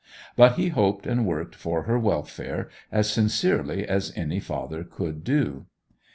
But he hoped and worked for her welfare as sincerely as any father could do.